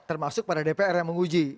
termasuk pada dpr yang menguji